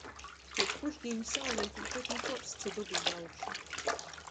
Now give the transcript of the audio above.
Piec pušdīņu sauleitē čutna korsts i dubli da aušu.